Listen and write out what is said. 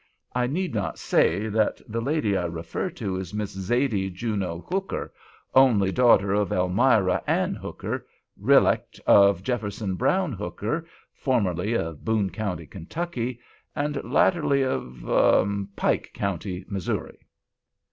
I need not say that the lady I refer to is Miss Zaidee Juno Hooker, only daughter of Almira Ann Hooker, relict of Jefferson Brown Hooker, formerly of Boone County, Kentucky, and latterly of—er—Pike County, Missouri."